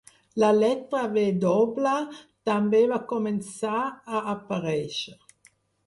La lletra "w" també va començar a aparèixer.